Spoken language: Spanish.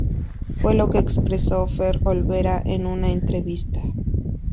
Fue lo que expresó Fher Olvera en una entrevista.